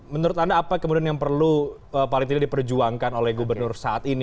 menurut anda apa kemudian yang perlu paling tidak diperjuangkan oleh gubernur saat ini